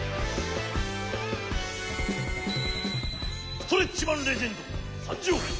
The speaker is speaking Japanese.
ストレッチマン・レジェンドさんじょう！